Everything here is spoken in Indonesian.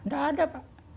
nggak ada pak